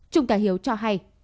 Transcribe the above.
trung tài hiếu cho hay